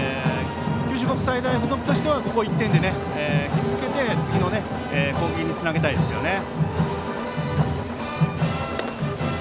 九州国際大付属としてはここ１点で追いかけて次の攻撃につなげたいですね。